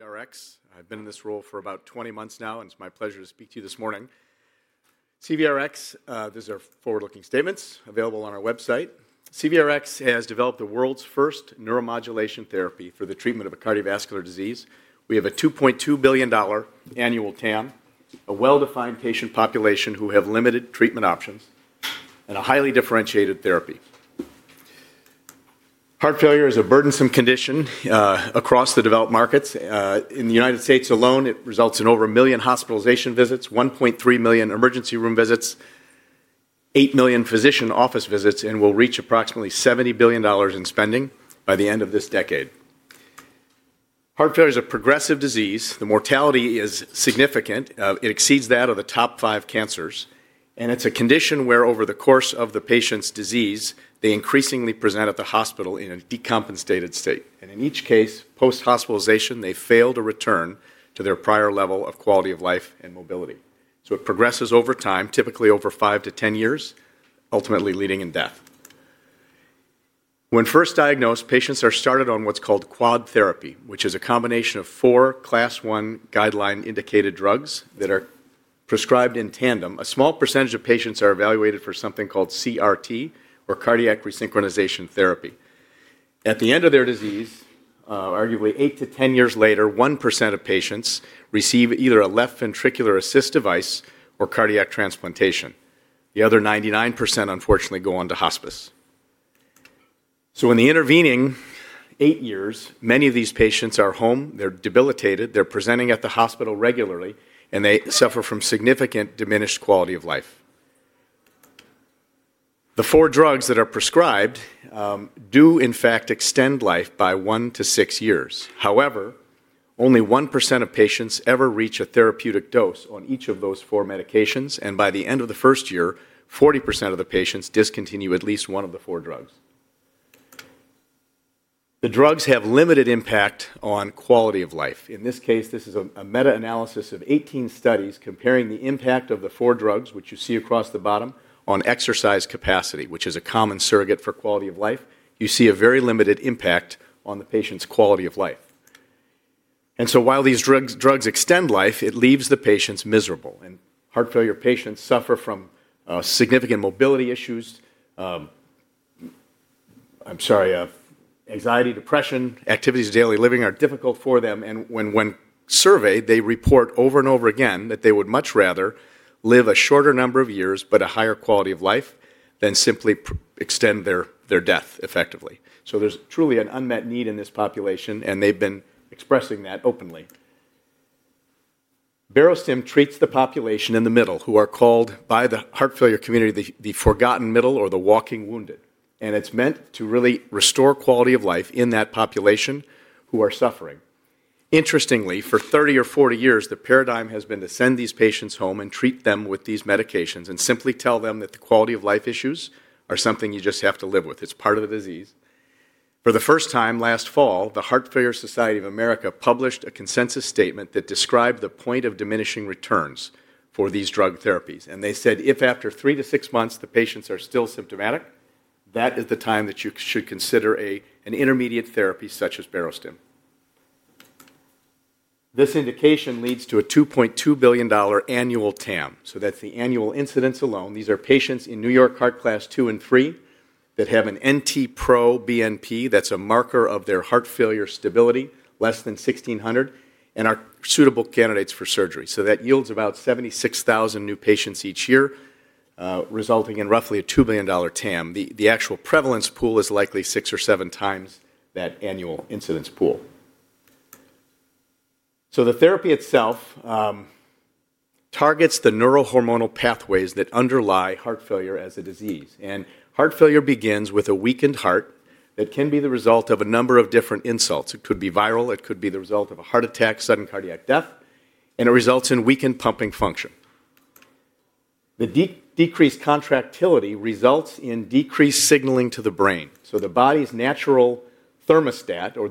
CVRx. I've been in this role for about 20 months now, and it's my pleasure to speak to you this morning. CVRx, these are forward-looking statements available on our website. CVRx has developed the world's first neuromodulation therapy for the treatment of a cardiovascular disease. We have a $2.2 billion annual TAM, a well-defined patient population who have limited treatment options, and a highly differentiated therapy. Heart failure is a burdensome condition across the developed markets. In the United States alone, it results in over a million hospitalization visits, 1.3 million emergency room visits, eight million physician office visits, and will reach approximately $70 billion in spending by the end of this decade. Heart failure is a progressive disease. The mortality is significant. It exceeds that of the top five cancers. It is a condition where, over the course of the patient's disease, they increasingly present at the hospital in a decompensated state. In each case, post-hospitalization, they fail to return to their prior level of quality of life and mobility. It progresses over time, typically over five to 10 years, ultimately leading in death. When first diagnosed, patients are started on what's called quad therapy, which is a combination of four Class I guideline-indicated drugs that are prescribed in tandem. A small percentage of patients are evaluated for something called CRT, or cardiac resynchronization therapy. At the end of their disease, arguably eight to 10 years later, one percent of patients receive either a left ventricular assist device or cardiac transplantation. The other 99%, unfortunately, go on to hospice. In the intervening eight years, many of these patients are home. They're debilitated. They're presenting at the hospital regularly, and they suffer from significant diminished quality of life. The four drugs that are prescribed do, in fact, extend life by one to six years. However, only one percent of patients ever reach a therapeutic dose on each of those four medications. By the end of the first year, 40% of the patients discontinue at least one of the four drugs. The drugs have limited impact on quality of life. In this case, this is a meta-analysis of 18 studies comparing the impact of the four drugs, which you see across the bottom, on exercise capacity, which is a common surrogate for quality of life. You see a very limited impact on the patient's quality of life. While these drugs extend life, it leaves the patients miserable. Heart failure patients suffer from significant mobility issues. I'm sorry, anxiety, depression, activities of daily living are difficult for them. When surveyed, they report over and over again that they would much rather live a shorter number of years but a higher quality of life than simply extend their death effectively. There is truly an unmet need in this population, and they've been expressing that openly. Barostim treats the population in the middle who are called by the heart failure community the forgotten middle or the walking wounded. It's meant to really restore quality of life in that population who are suffering. Interestingly, for 30 or 40 years, the paradigm has been to send these patients home and treat them with these medications and simply tell them that the quality of life issues are something you just have to live with. It's part of the disease. For the first time last fall, the Heart Failure Society of America published a consensus statement that described the point of diminishing returns for these drug therapies. They said if after three to six months the patients are still symptomatic, that is the time that you should consider an intermediate therapy such as Barostim. This indication leads to a $2.2 billion annual TAM. That is the annual incidence alone. These are patients in New York Heart Association Class II and III that have an NT-proBNP, that is a marker of their heart failure stability, less than 1,600, and are suitable candidates for surgery. That yields about 76,000 new patients each year, resulting in roughly a $2 billion TAM. The actual prevalence pool is likely six or seven times that annual incidence pool. The therapy itself targets the neurohormonal pathways that underlie heart failure as a disease. Heart failure begins with a weakened heart that can be the result of a number of different insults. It could be viral. It could be the result of a heart attack, sudden cardiac death. It results in weakened pumping function. The decreased contractility results in decreased signaling to the brain. The body's natural thermostat, or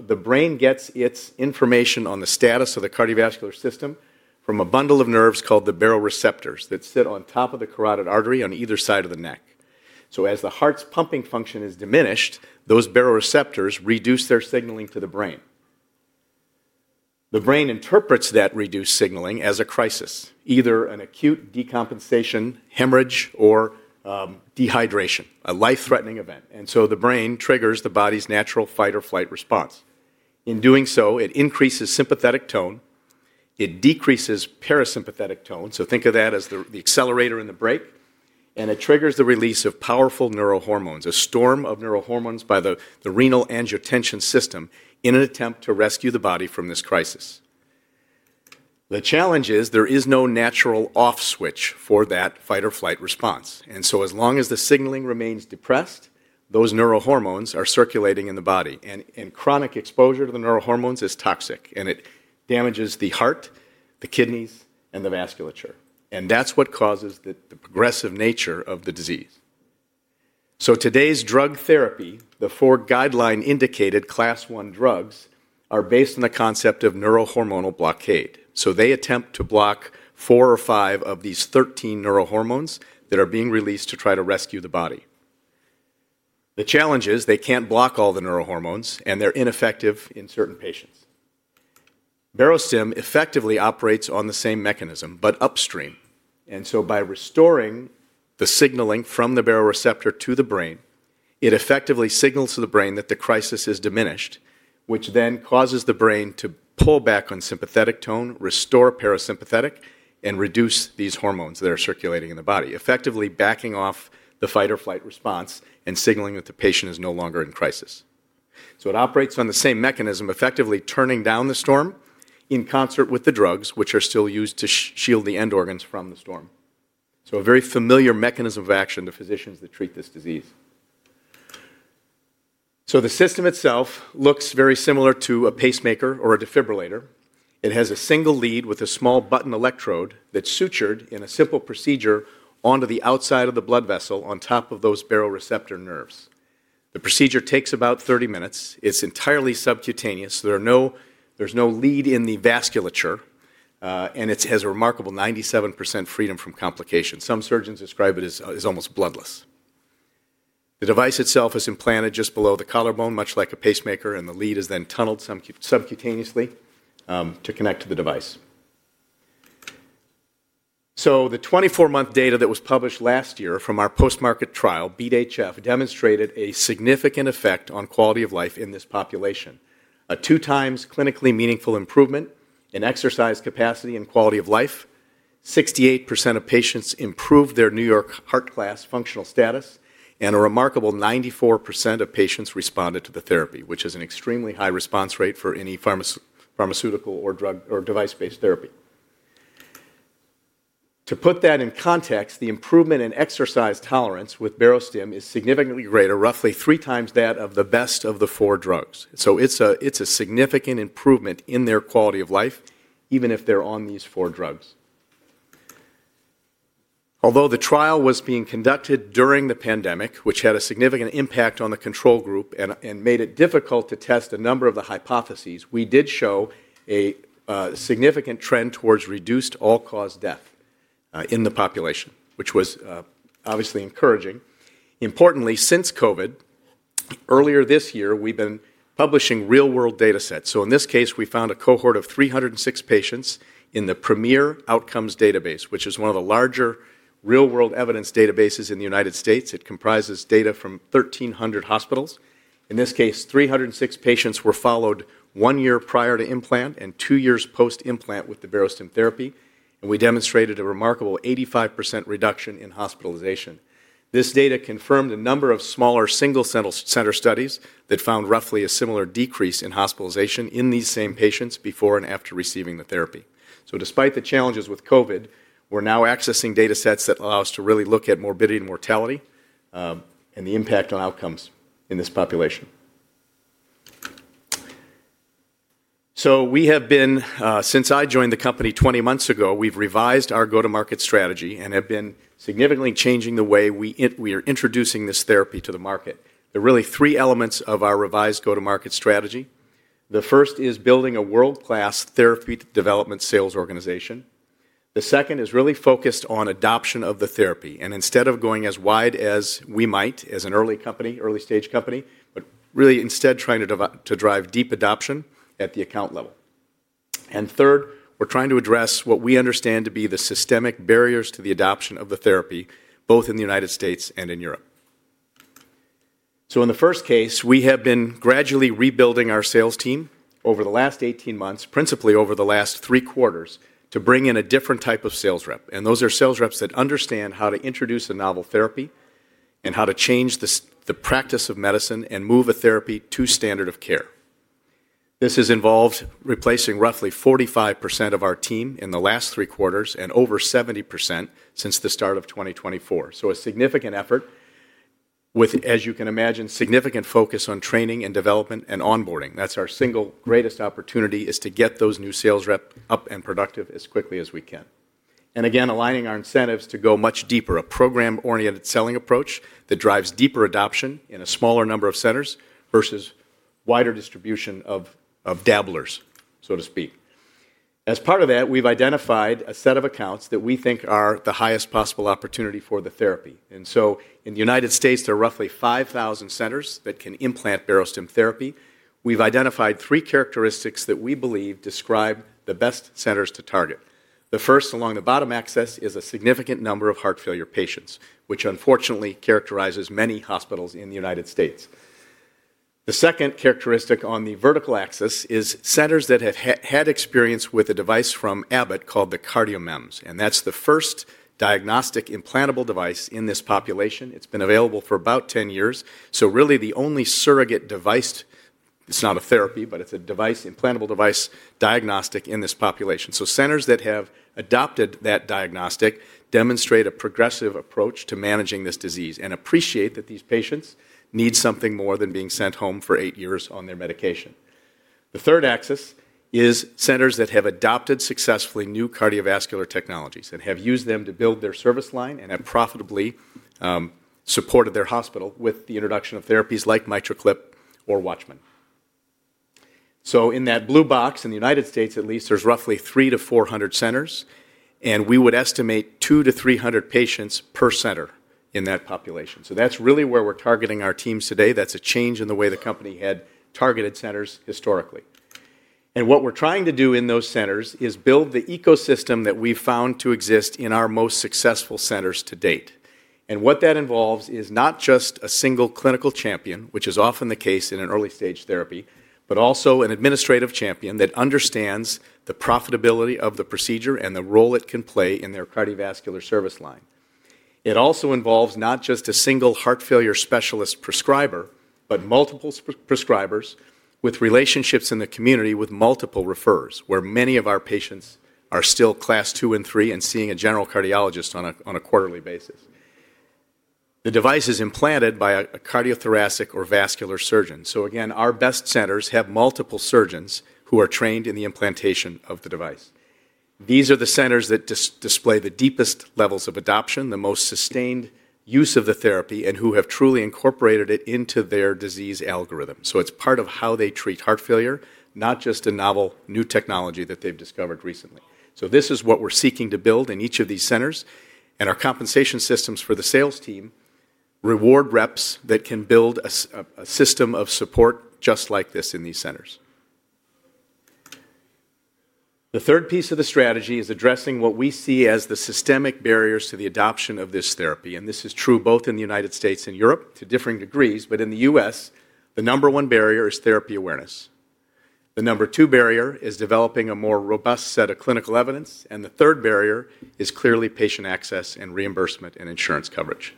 the brain, gets its information on the status of the cardiovascular system from a bundle of nerves called the baroreceptors that sit on top of the carotid artery on either side of the neck. As the heart's pumping function is diminished, those baroreceptors reduce their signaling to the brain. The brain interprets that reduced signaling as a crisis, either an acute decompensation, hemorrhage, or dehydration, a life-threatening event. The brain triggers the body's natural fight or flight response. In doing so, it increases sympathetic tone. It decreases parasympathetic tone. Think of that as the accelerator and the brake. It triggers the release of powerful neurohormones, a storm of neurohormones by the Renin-Angiotensin system in an attempt to rescue the body from this crisis. The challenge is there is no natural off switch for that fight or flight response. As long as the signaling remains depressed, those neurohormones are circulating in the body. Chronic exposure to the neurohormones is toxic. It damages the heart, the kidneys, and the vasculature. That is what causes the progressive nature of the disease. Today's drug therapy, the four guideline-indicated Class I drugs, are based on the concept of neurohormonal blockade. They attempt to block four or five of these 13 neurohormones that are being released to try to rescue the body. The challenge is they can't block all the neurohormones, and they're ineffective in certain patients. Barostim effectively operates on the same mechanism, but upstream. By restoring the signaling from the baroreceptor to the brain, it effectively signals to the brain that the crisis is diminished, which then causes the brain to pull back on sympathetic tone, restore parasympathetic, and reduce these hormones that are circulating in the body, effectively backing off the fight or flight response and signaling that the patient is no longer in crisis. It operates on the same mechanism, effectively turning down the storm in concert with the drugs, which are still used to shield the end organs from the storm. A very familiar mechanism of action to physicians that treat this disease. The system itself looks very similar to a pacemaker or a defibrillator. It has a single lead with a small button electrode that's sutured in a simple procedure onto the outside of the blood vessel on top of those baroreceptor nerves. The procedure takes about 30 minutes. It's entirely subcutaneous. There's no lead in the vasculature. It has a remarkable 97% freedom from complications. Some surgeons describe it as almost bloodless. The device itself is implanted just below the collarbone, much like a pacemaker, and the lead is then tunneled subcutaneously to connect to the device. The 24-month data that was published last year from our post-market trial, BDHF, demonstrated a significant effect on quality of life in this population. A two-times clinically meaningful improvement in exercise capacity and quality of life. 68% of patients improved their New York Heart Class functional status. A remarkable 94% of patients responded to the therapy, which is an extremely high response rate for any pharmaceutical or device-based therapy. To put that in context, the improvement in exercise tolerance with Barostim is significantly greater, roughly three times that of the best of the four drugs. It is a significant improvement in their quality of life, even if they are on these four drugs. Although the trial was being conducted during the pandemic, which had a significant impact on the control group and made it difficult to test a number of the hypotheses, we did show a significant trend towards reduced all-cause death in the population, which was obviously encouraging. Importantly, since COVID, earlier this year, we have been publishing real-world data sets. In this case, we found a cohort of 306 patients in the Premier Outcomes Database, which is one of the larger real-world evidence databases in the United States. It comprises data from 1,300 hospitals. In this case, 306 patients were followed one year prior to implant and two years post-implant with the Barostim therapy. We demonstrated a remarkable 85% reduction in hospitalization. This data confirmed a number of smaller single-center studies that found roughly a similar decrease in hospitalization in these same patients before and after receiving the therapy. Despite the challenges with COVID, we're now accessing data sets that allow us to really look at morbidity and mortality and the impact on outcomes in this population. We have been, since I joined the company 20 months ago, we've revised our go-to-market strategy and have been significantly changing the way we are introducing this therapy to the market. There are really three elements of our revised go-to-market strategy. The first is building a world-class therapeutic development sales organization. The second is really focused on adoption of the therapy. Instead of going as wide as we might as an early-stage company, we are really instead trying to drive deep adoption at the account level. Third, we're trying to address what we understand to be the systemic barriers to the adoption of the therapy, both in the United States and in Europe. In the first case, we have been gradually rebuilding our sales team over the last 18 months, principally over the last three quarters, to bring in a different type of sales rep. Those are sales reps that understand how to introduce a novel therapy and how to change the practice of medicine and move a therapy to standard of care. This has involved replacing roughly 45% of our team in the last three quarters and over 70% since the start of 2024. A significant effort with, as you can imagine, significant focus on training and development and onboarding. That's our single greatest opportunity is to get those new sales reps up and productive as quickly as we can. Again, aligning our incentives to go much deeper, a program-oriented selling approach that drives deeper adoption in a smaller number of centers versus wider distribution of dabblers, so to speak. As part of that, we've identified a set of accounts that we think are the highest possible opportunity for the therapy. In the United States, there are roughly 5,000 centers that can implant Barostim therapy. We've identified three characteristics that we believe describe the best centers to target. The first, along the bottom axis, is a significant number of heart failure patients, which unfortunately characterizes many hospitals in the United States. The second characteristic on the vertical axis is centers that have had experience with a device from Abbott called the CardioMEMS. That's the first diagnostic implantable device in this population. It's been available for about 10 years. Really, the only surrogate device—it's not a therapy, but it's an implantable device diagnostic in this population. Centers that have adopted that diagnostic demonstrate a progressive approach to managing this disease and appreciate that these patients need something more than being sent home for eight years on their medication. The third axis is centers that have adopted successfully new cardiovascular technologies and have used them to build their service line and have profitably supported their hospital with the introduction of therapies like MitraClip or WATCHMAN. In that blue box, in the United States at least, there's roughly 300-400 centers. We would estimate 200-300 patients per center in that population. That's really where we're targeting our teams today. That's a change in the way the company had targeted centers historically. What we're trying to do in those centers is build the ecosystem that we've found to exist in our most successful centers to date. What that involves is not just a single clinical champion, which is often the case in an early-stage therapy, but also an administrative champion that understands the profitability of the procedure and the role it can play in their cardiovascular service line. It also involves not just a single heart failure specialist prescriber, but multiple prescribers with relationships in the community with multiple referrers, where many of our patients are still Class II and III and seeing a general cardiologist on a quarterly basis. The device is implanted by a cardiothoracic or vascular surgeon. Again, our best centers have multiple surgeons who are trained in the implantation of the device. These are the centers that display the deepest levels of adoption, the most sustained use of the therapy, and who have truly incorporated it into their disease algorithm. It's part of how they treat heart failure, not just a novel new technology that they've discovered recently. This is what we're seeking to build in each of these centers. Our compensation systems for the sales team reward reps that can build a system of support just like this in these centers. The third piece of the strategy is addressing what we see as the systemic barriers to the adoption of this therapy. This is true both in the United States and Europe to differing degrees. In the U.S., the number one barrier is therapy awareness. The number two barrier is developing a more robust set of clinical evidence. The third barrier is clearly patient access and reimbursement and insurance coverage.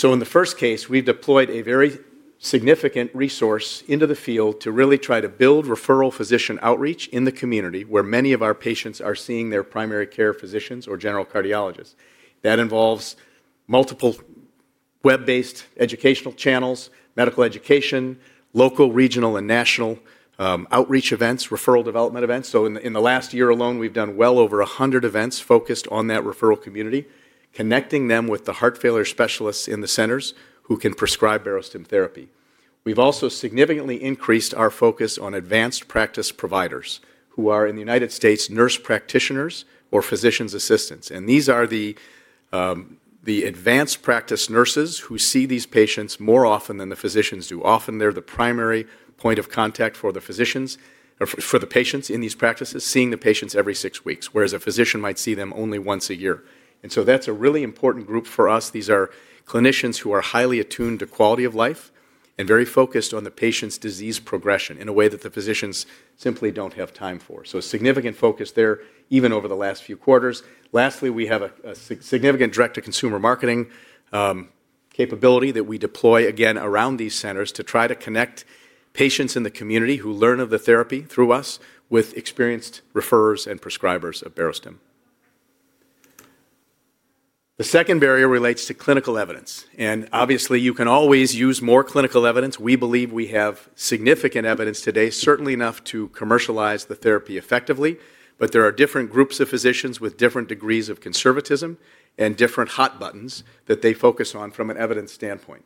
In the first case, we deployed a very significant resource into the field to really try to build referral physician outreach in the community where many of our patients are seeing their primary care physicians or general cardiologists. That involves multiple web-based educational channels, medical education, local, regional, and national outreach events, referral development events. In the last year alone, we've done well over 100 events focused on that referral community, connecting them with the heart failure specialists in the centers who can prescribe Barostim therapy. We've also significantly increased our focus on advanced practice providers who are in the United States nurse practitioners or physician's assistants. These are the advanced practice nurses who see these patients more often than the physicians do. Often, they're the primary point of contact for the patients in these practices, seeing the patients every six weeks, whereas a physician might see them only once a year. That is a really important group for us. These are clinicians who are highly attuned to quality of life and very focused on the patient's disease progression in a way that the physicians simply do not have time for. Significant focus there even over the last few quarters. Lastly, we have a significant direct-to-consumer marketing capability that we deploy, again, around these centers to try to connect patients in the community who learn of the therapy through us with experienced referrers and prescribers of Barostim. The second barrier relates to clinical evidence. Obviously, you can always use more clinical evidence. We believe we have significant evidence today, certainly enough to commercialize the therapy effectively. There are different groups of physicians with different degrees of conservatism and different hot buttons that they focus on from an evidence standpoint.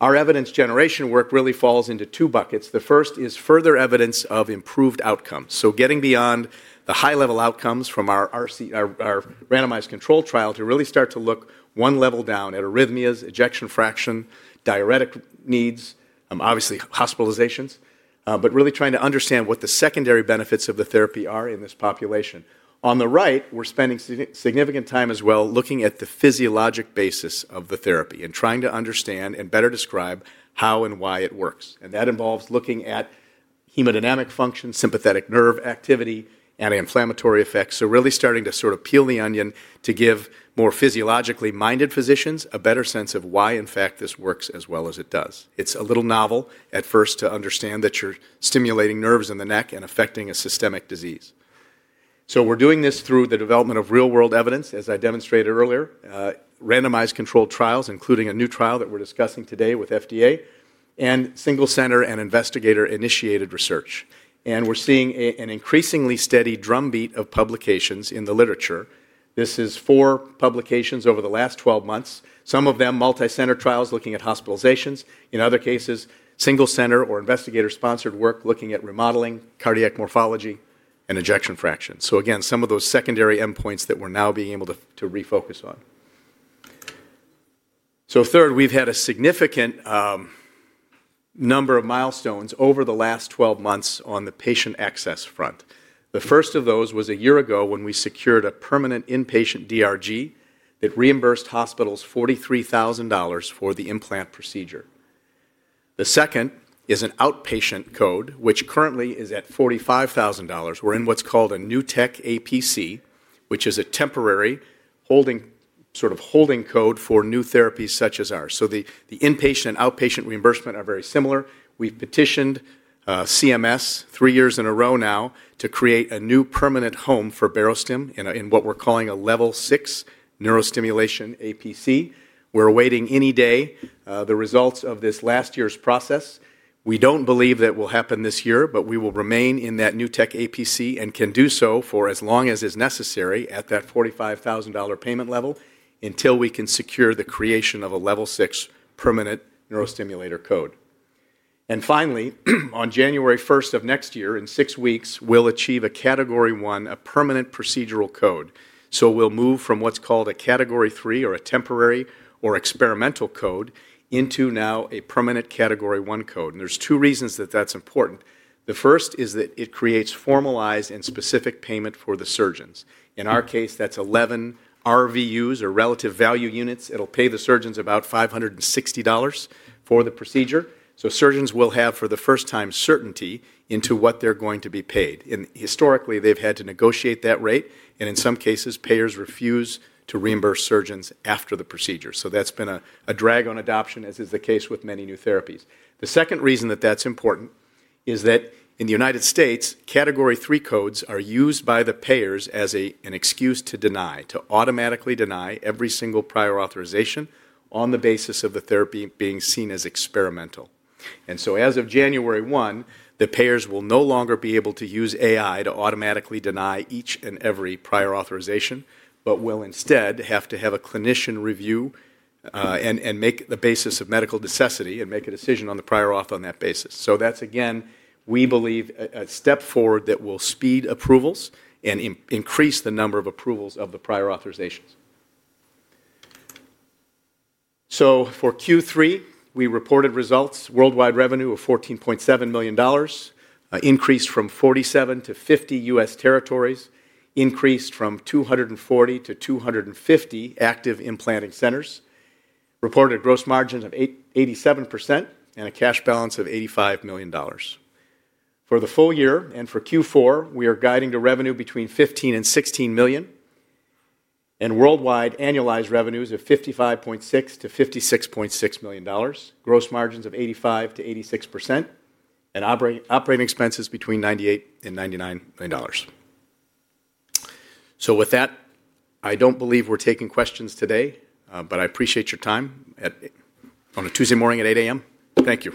Our evidence generation work really falls into two buckets. The first is further evidence of improved outcomes. Getting beyond the high-level outcomes from our randomized control trial to really start to look one level down at arrhythmias, ejection fraction, diuretic needs, obviously hospitalizations, but really trying to understand what the secondary benefits of the therapy are in this population. On the right, we're spending significant time as well looking at the physiologic basis of the therapy and trying to understand and better describe how and why it works. That involves looking at hemodynamic function, sympathetic nerve activity, anti-inflammatory effects. Really starting to sort of peel the onion to give more physiologically minded physicians a better sense of why, in fact, this works as well as it does. It's a little novel at first to understand that you're stimulating nerves in the neck and affecting a systemic disease. We're doing this through the development of real-world evidence, as I demonstrated earlier, randomized controlled trials, including a new trial that we're discussing today with FDA, and single-center and investigator-initiated research. We're seeing an increasingly steady drumbeat of publications in the literature. This is four publications over the last 12 months, some of them multi-center trials looking at hospitalizations. In other cases, single-center or investigator-sponsored work looking at remodeling, cardiac morphology, and ejection fraction. Again, some of those secondary endpoints that we're now being able to refocus on. Third, we've had a significant number of milestones over the last 12 months on the patient access front. The first of those was a year ago when we secured a permanent inpatient DRG that reimbursed hospitals $43,000 for the implant procedure. The second is an outpatient code, which currently is at $45,000. We're in what's called a New Tech APC, which is a temporary sort of holding code for new therapies such as ours. The inpatient and outpatient reimbursement are very similar. We've petitioned CMS three years in a row now to create a new permanent home for Barostim in what we're calling a Level 6 Neurostimulation APC. We're awaiting any day the results of this last year's process. We do not believe that will happen this year, but we will remain in that New Tech APC and can do so for as long as is necessary at that $45,000 payment level until we can secure the creation of a Level 6 permanent neurostimulator code. Finally, on January 1st of next year, in six weeks, we will achieve a category one, a permanent procedural code. We will move from what is called a category three or a temporary or experimental code into now a permanent category one code. There are two reasons that is important. The first is that it creates formalized and specific payment for the surgeons. In our case, that is 11 RVUs or relative value units. It will pay the surgeons about $560 for the procedure. Surgeons will have for the first time certainty into what they are going to be paid. Historically, they have had to negotiate that rate. In some cases, payers refuse to reimburse surgeons after the procedure. That has been a drag on adoption, as is the case with many new therapies. The second reason that is important is that in the United States, category three codes are used by the payers as an excuse to deny, to automatically deny every single prior authorization on the basis of the therapy being seen as experimental. As of January 1, the payers will no longer be able to use AI to automatically deny each and every prior authorization, but will instead have to have a clinician review and make the basis of medical necessity and make a decision on the prior auth on that basis. That is, again, we believe, a step forward that will speed approvals and increase the number of approvals of the prior authorizations. For Q3, we reported results. Worldwide revenue of $14.7 million increased from 47-50 U.S. territories, increased from 240-250 active implanting centers, reported a gross margin of 87%, and a cash balance of $85 million. For the full year and for Q4, we are guiding to revenue between $15 million and $16 million, and worldwide annualized revenues of $55.6 million-$56.6 million, gross margins of 85%-86%, and operating expenses between $98 million and $99 million. I don't believe we're taking questions today, but I appreciate your time on a Tuesday morning at 8:00 A.M. Thank you.